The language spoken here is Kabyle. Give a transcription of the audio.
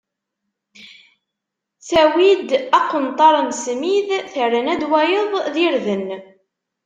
Tawwi-d aqenṭar n smid, terna-d wayeḍ d irden.